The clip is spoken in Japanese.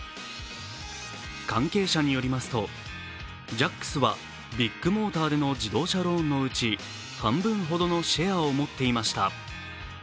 関係者によりますとジャックスはビッグモーターでの自動車ローンのうち半分ほどのシェアを持っていました。